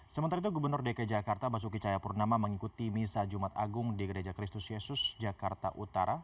sementara itu gubernur dki jakarta basuki cahayapurnama mengikuti misa jumat agung di gereja kristus yesus jakarta utara